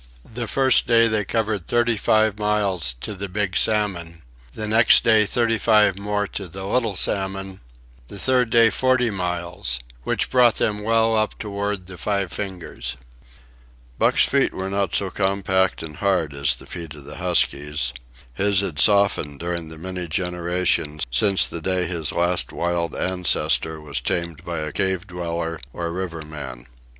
The first day they covered thirty five miles to the Big Salmon; the next day thirty five more to the Little Salmon; the third day forty miles, which brought them well up toward the Five Fingers. Buck's feet were not so compact and hard as the feet of the huskies. His had softened during the many generations since the day his last wild ancestor was tamed by a cave dweller or river man.